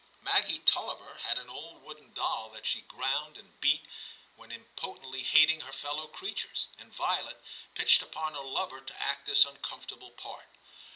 Maggie Tulliver had an old wooden XI TIM 257 doll that she ground and beat when impo tently hating her fellow creatures, and Violet pitched upon her lover to act this uncom fortable part.